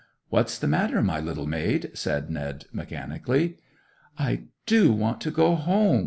'What's the matter, my little maid?' said Ned mechanically. 'I do want to go home!